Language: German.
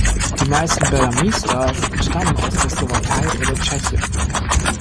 Die meisten Bel Ami-Stars stammen aus der Slowakei oder Tschechien.